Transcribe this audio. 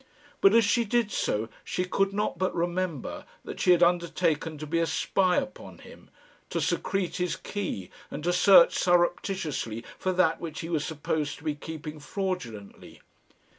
But as she did so she could not but remember that she had undertaken to be a spy upon him, to secrete his key, and to search surreptitiously for that which he was supposed to be keeping fraudulently.